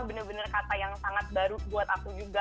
bener bener kata yang sangat baru buat aku juga